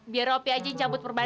biar op aja yang cabut perban ya